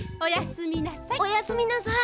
おやすみなさい。